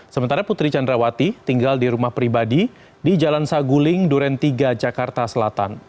sementara putri candrawati tinggal di rumah pribadi di jalan saguling duren tiga jakarta selatan